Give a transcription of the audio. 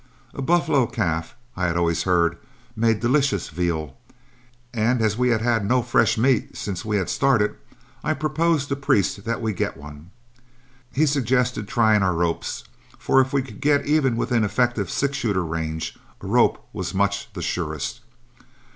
A buffalo calf, I had always heard, made delicious veal, and as we had had no fresh meat since we had started, I proposed to Priest that we get one. He suggested trying our ropes, for if we could ever get within effective six shooter range, a rope was much the surest.